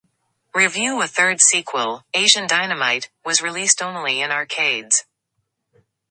A third sequel, "Asian Dynamite", was released only in arcades.